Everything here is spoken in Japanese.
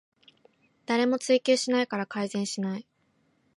誰も追及しないから改善しない